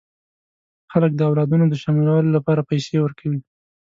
خلک د اولادونو د شاملولو لپاره پیسې ورکوي.